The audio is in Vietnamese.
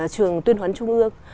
trường tuyên hoán trung ước